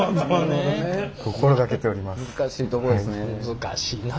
難しいな。